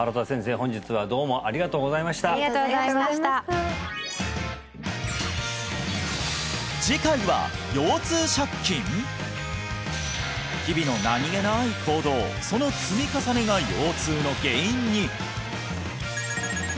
本日はどうもありがとうございましたありがとうございました次回は日々の何気ない行動その積み重ねが腰痛の原因に！